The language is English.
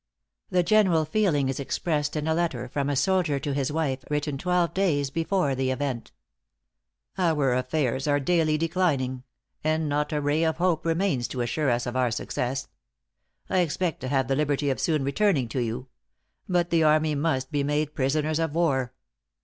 The general feeling is expressed in a letter from a soldier to his wife, written twelve days before the event: "Our affairs are daily declining; and not a ray of hope remains to assure us of our success.. .. I expect to have the liberty of soon returning to you; but the army must be made prisoners of war.